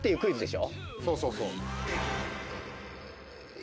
そうそうそう。